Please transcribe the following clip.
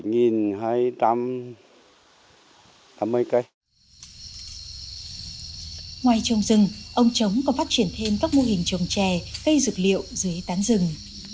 ngoài trồng rừng ông trống còn phát triển thêm các mô hình trồng trè cây dược liệu dưới tán rừng